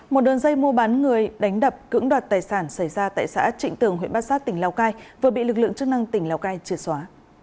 một đường dây mua bán người đánh đập cưỡng đoạt tài sản xảy ra tại xã trịnh tường huyện bát sát tỉnh lào cai vừa bị lực lượng chức năng tỉnh lào cai trượt xóa